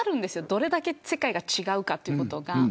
どれだけ世界が違うかということが。